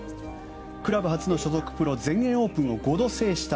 クラブ初の所属プロ全英オープンを５度制した